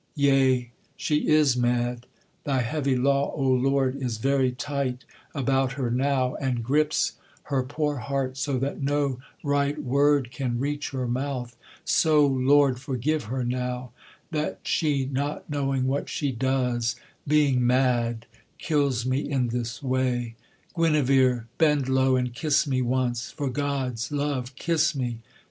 'Yea, she is mad: thy heavy law, O Lord, Is very tight about her now, and grips Her poor heart, so that no right word Can reach her mouth; so, Lord, forgive her now, That she not knowing what she does, being mad, Kills me in this way; Guenevere, bend low And kiss me once! for God's love kiss me!